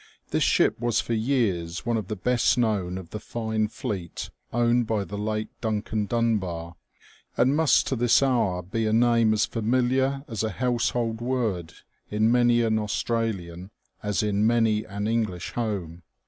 This ship was for years one of the best known of the fine fleet owned by the late Duncan Dunbar, and must to this hour be a name as familiar as a household word in many an Australian as in many an English home.